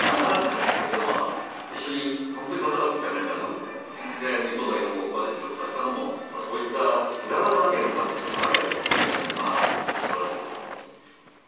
けどまあ、一緒に、本当に戦ってきたメンバーなんで、日本代表をここまで強くさせたのも、そういった裏側がなければ、たぶんそうならないと思うんで、まあ本当にすばらしいことだと思います。